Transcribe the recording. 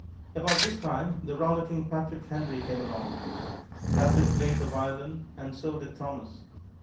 About this time the rollicking Patrick Henry came along. Patrick played the violin, and so did Thomas.